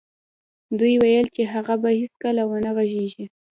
دوی ویل چې هغه به هېڅکله و نه غږېږي